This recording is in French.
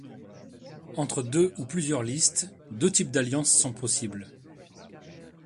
Entre deux ou plusieurs listes, deux types d'alliances sont possibles.